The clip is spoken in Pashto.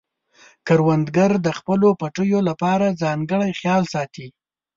کروندګر د خپلو پټیو لپاره ځانګړی خیال ساتي